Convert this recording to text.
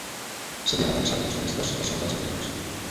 S'havien atansat a les finestres per saludar els italians